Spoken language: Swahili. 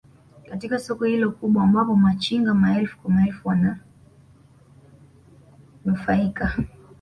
katika soko hilo kubwa ambapo machinga maelfu kwa maelfu wananufaika